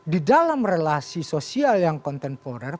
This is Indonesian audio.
di dalam relasi sosial yang kontemporer